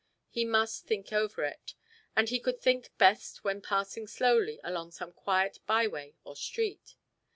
He must think over it, and he could think best when passing slowly along some quiet by way or street.